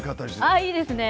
あっいいですね！